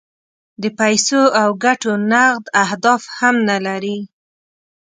د پیسو او ګټو نغد اهداف هم نه لري.